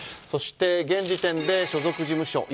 そして、現時点で所属事務所